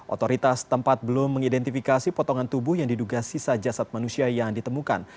otoritas tempat belum mengidentifikasi potongan tubuh yang diduga sisa jasad manusia yang ditemukan